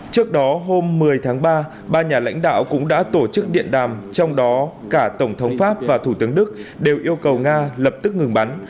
trước đó hôm một mươi tháng ba ba nhà lãnh đạo cũng đã tổ chức điện đàm trong đó cả tổng thống pháp và thủ tướng đức đều yêu cầu nga lập tức ngừng bắn